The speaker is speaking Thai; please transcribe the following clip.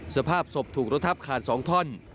สภาพศพถูกรถทับขาด๒ท่อน